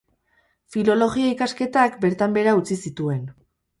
Filologia ikasketak bertan behera utzi zituen.